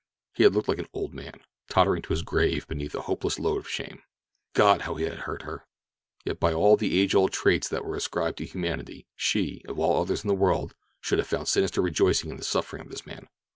He had looked like an old man, tottering to his grave beneath a hopeless load of shame. God, how it had hurt her! Yet by all the age old traits that are ascribed to humanity she, of all others in the world, should have found sinister rejoicing in the suffering of this man.